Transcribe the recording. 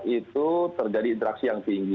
itu terjadi interaksi yang tinggi